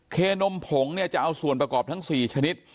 เคนมผงเนี่ยจะเอาส่วนประกอบทั้ง๔ชนิด